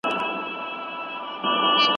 کرني پوهنځۍ په تصادفي ډول نه ټاکل کیږي.